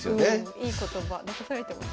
いい言葉残されてますね。